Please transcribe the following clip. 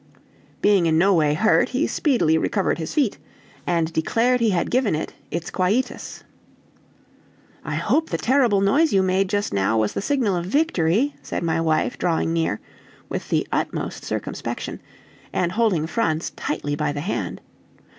Being in no way hurt, he speedily recovered his feet, and declared he had given it its quietus. "I hope the terrible noise you made just now was the signal of victory," said my wife, drawing near, with the utmost circumspection, and holding Franz tightly by the hand.